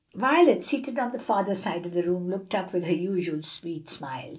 Violet, seated on the farther side of the room, looked up with her usual sweet smile.